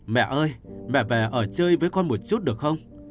mẹ ơi mẹ về ở chơi với con một chút được không